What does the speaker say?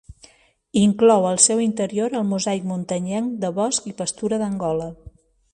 Inclou al seu interior el mosaic muntanyenc de bosc i pastura d'Angola.